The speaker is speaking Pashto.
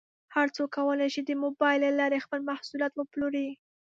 هر څوک کولی شي د مبایل له لارې خپل محصولات وپلوري.